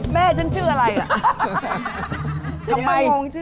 แม่ฉันชื่ออะไร